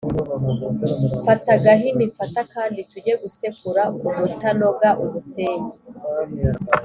Fata agahini mfate akandi tujye gusekura umutanoga. Umusenyi.